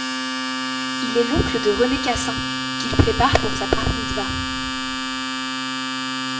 Il est l'oncle de René Cassin, qu'il prépare pour sa Bar Mitzvah.